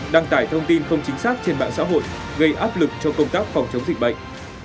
đăng tải thông tin không chính xác trên mạng xã hội gây áp lực cho công tác phòng chống dịch bệnh